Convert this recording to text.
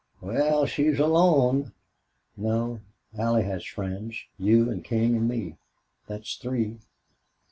"Wal, she's alone." "No, Allie has friends you and King and me. That's three."